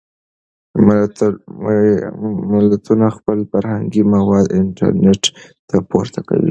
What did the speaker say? ملتونه خپل فرهنګي مواد انټرنټ ته پورته کوي.